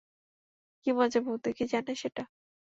কি মজা বৌদি কি জানে সেটা?